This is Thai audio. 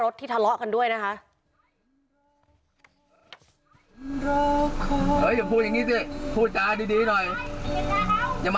เธออยากขอร้อง